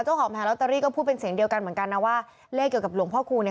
แผงลอตเตอรี่ก็พูดเป็นเสียงเดียวกันเหมือนกันนะว่าเลขเกี่ยวกับหลวงพ่อคูณเนี่ย